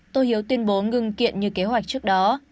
tô hiếu tuyên bố ngừng kiện như kế hoạch trước đó